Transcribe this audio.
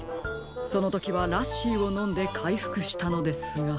そのときはラッシーをのんでかいふくしたのですが。